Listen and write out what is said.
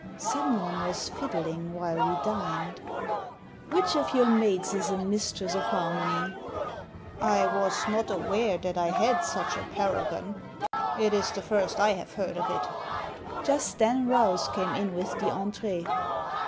Someone was fiddling while we dined " Which of your maids is a mistress of harmony ?"'* I was not aware that I had such a paragon. It is the first I have heard of it" Just then Rouse came in with the entree.